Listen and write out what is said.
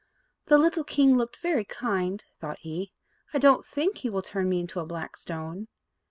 "The little king looked very kind," thought he. "I don't think he will turn me into a black stone."